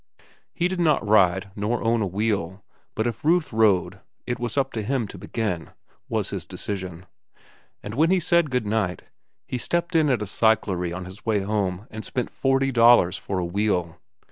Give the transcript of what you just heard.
He did not ride, nor own a wheel, but if Ruth rode, it was up to him to begin, was his decision; and when he said good night, he stopped in at a cyclery on his way home and spent forty dollars for a wheel.